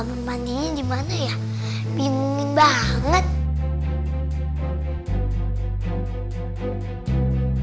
motor lagi motor pelan pelan